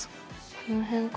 この辺か？